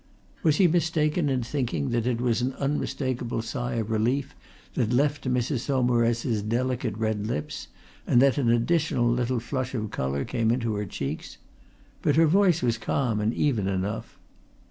Was he mistaken in thinking that it was an unmistakable sigh of relief that left Mrs. Saumarez's delicate red lips and that an additional little flush of colour came into her cheeks? But her voice was calm and even enough.